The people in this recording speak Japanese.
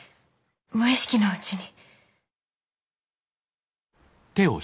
無意識のうちに。